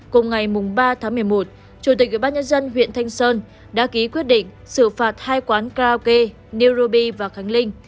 cùng ngày ba một mươi một chủ tịch ủy ban nhân dân huyện thanh sơn đã ký quyết định xử phạt hai quán klau kê new ruby và khánh linh